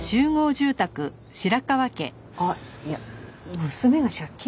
あっいや娘が借金？